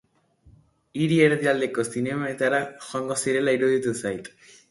Hiri erdialdeko zinemetara joango zirela iruditu zait.